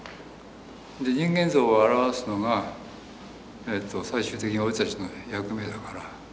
で人間像を表すのが最終的に俺たちの役目だから。